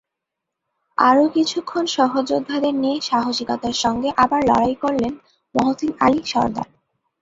আরও কিছুক্ষণ সহযোদ্ধাদের নিয়ে সাহসিকতার সঙ্গে আবার লড়াই করলেন মহসীন আলী সরদার।